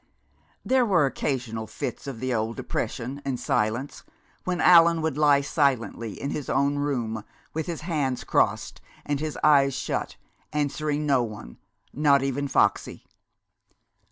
There were occasional fits of the old depression and silence, when Allan would lie silently in his own room with his hands crossed and his eyes shut, answering no one not even Foxy.